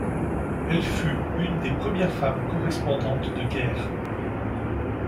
Elle fut une des premières femmes correspondantes de guerre.